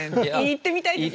言ってみたい。